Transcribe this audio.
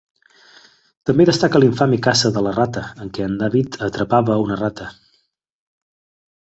També destaca l'infame caça de la rata, en què en David atrapava una rata.